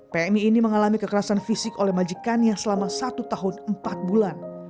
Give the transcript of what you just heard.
pmi ini mengalami kekerasan fisik oleh majikannya selama satu tahun empat bulan